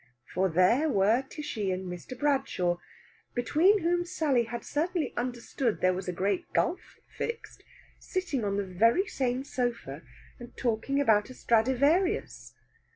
For there were Tishy and Mr. Bradshaw, between whom Sally had certainly understood there was a great gulf fixed, sitting on the very same sofa and talking about a Stradivarius.